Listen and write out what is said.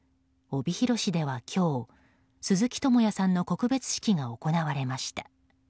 帯広市では、今日鈴木智也さんの告別式が行われました。